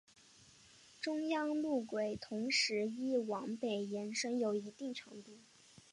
中央路轨同时亦往北延伸有一定长度。